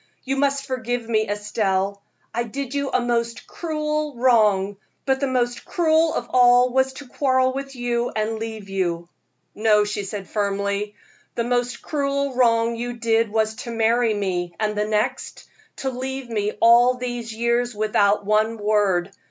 You must forgive me, Estelle. I did you a most cruel wrong, but the most cruel of all was to quarrel with you and leave you." "No," she said, firmly, "the most cruel wrong you did was to marry me; and the next, to leave me all these years without one word.